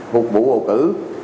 phục vụ bầu cử